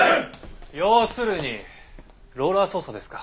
要するにローラー捜査ですか。